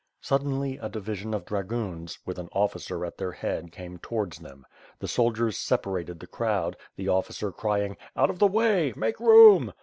Suddenly a division of dragoons, with an officer at their head came towards them. The soldiers separated the crowd, the officer crying, "Out of the way! Make room!"